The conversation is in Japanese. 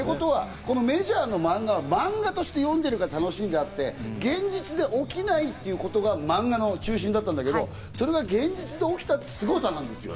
『ＭＡＪＯＲ』って漫画は漫画として読んでるから楽しいのであって、現実で起きないということが漫画の中心だったんだけど、それが現実で起きたというすごさなんですよ。